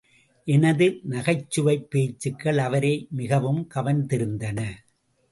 எனது நகைச்சுவைப் பேச்சுகள் அவரை மிகவும் கவர்ந்திருந்தன.